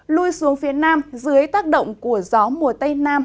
lui xuống phía nam dưới tác động của gió mùa tây nam